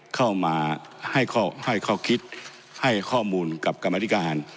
เข้ามาให้ข้อคิดให้ข้อมูลกับกรรมธิการ